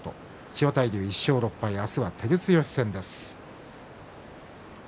千代大龍１勝６敗、明日は照強戦です。